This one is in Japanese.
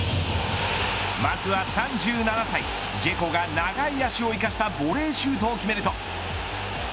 まずは３７歳ジェコが長い足を生かしたボレーシュートを決めると。